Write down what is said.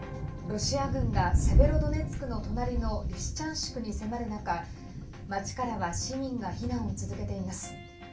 ロシア軍がセベロドネツクの隣のリシチャンシクに迫る中町からは市民が避難を続けています。